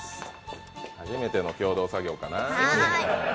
初めての共同作業かな？